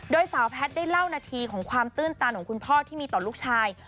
โดยสาวแพทย์ได้เล่านาทีของความตื้นตันของคุณพ่อที่มีต่อลูกชาย